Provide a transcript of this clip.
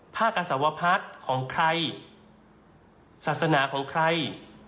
ภาคกาศวพรรดิของใครศาสนาของใคร